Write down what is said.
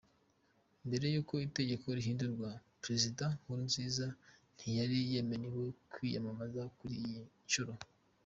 Mbere y’uko itegeko rihindurwa, Perezida Nkurunziza ntiyari yemerewe kwiyamamaza kuri iyi nshuro.